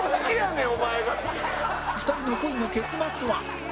２人の恋の結末は？